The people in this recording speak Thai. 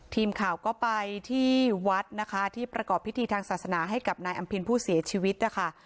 ทีมข่าวก็ไปที่วัดนะคะที่ประกอบพิธีทางศาสนาให้กับนายอำพินผู้เสียชีวิตนะคะ